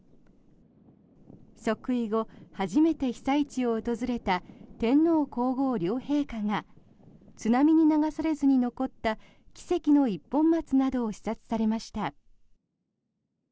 即位後初めて被災地を訪れた天皇・皇后両陛下が津波に流されずに残った奇跡の一本松などを視察されました。